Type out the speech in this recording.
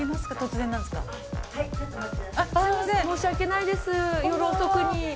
申し訳ないです夜遅くに。